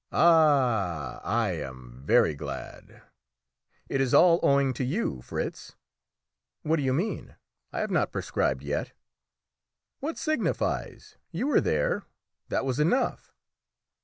"Ah, I am very glad!" "It is all owing to you, Fritz." "What do you mean? I have not prescribed yet." "What signifies? You were there; that was enough."